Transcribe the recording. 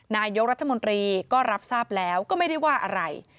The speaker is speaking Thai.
นายกรัฐมนตรีก็รับทราบแล้วก็ไม่ได้ว่าอะไร